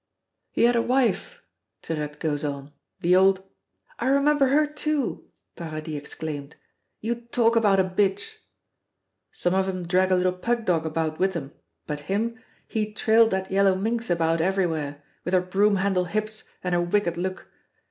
"He had a wife," Tirette goes on, "the old " "I remember her, too," Paradis exclaimed. "You talk about a bitch!" "Some of 'em drag a little pug dog about with 'em, but him, he trailed that yellow minx about everywhere, with her broom handle hips and her wicked look.